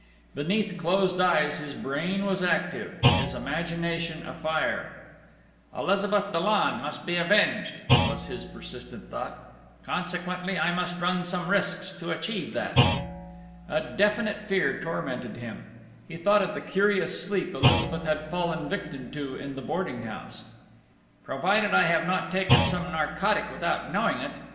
Beneath closed eyes his brain was active, his imagination afire. "Elizabeth Dollon must be avenged," was his persistent thought. "Consequently, I must run some risks to achieve that!" A definite fear tormented him. He thought of the curious sleep Elizabeth had fallen victim to in the boarding house. "Provided I have not taken some narcotic without knowing it!...